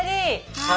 ・はい。